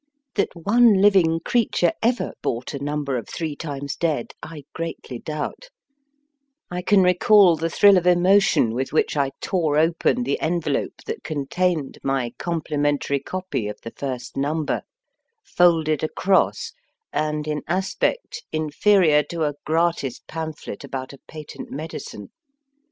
That one living creature ever bought a number of Three Times Dead I greatly doubt, i can recall the thrill of emotion with which 1 tore open the envelope that contained my complimentary copy of the first number, folded across, and in aspect inferior to a gratis pamphlet about a patent medicine.